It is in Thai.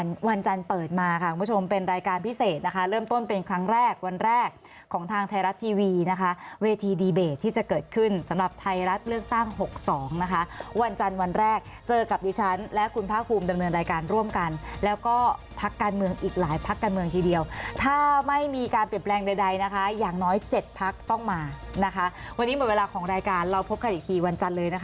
มาค่ะคุณผู้ชมเป็นรายการพิเศษนะคะเริ่มต้นเป็นครั้งแรกวันแรกของทางไทยรัฐทีวีนะคะเวทีดีเบตที่จะเกิดขึ้นสำหรับไทยรัฐเรื่องตั้ง๖๒นะคะวันจันทร์วันแรกเจอกับดิฉันและคุณพระคุมดำเนินรายการร่วมกันแล้วก็พักการเมืองอีกหลายพักการเมืองทีเดียวถ้าไม่มีการเปลี่ยนแปลงใดนะคะอย่างน้อย